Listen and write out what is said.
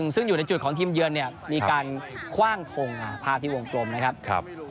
ซึ่งอยู่ในจุดของทีมเยือนเนี่ยมีการคว่างทงภาพที่วงกลมนะครับ